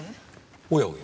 おやおや。